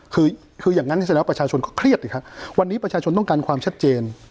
คือคืออย่างนั้นเสร็จแล้วประชาชนก็เครียดสิครับวันนี้ประชาชนต้องการความชัดเจน